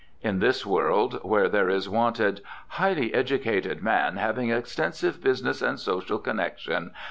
In this world where there is wanted: "Highly educated man, having extensive business and social connection.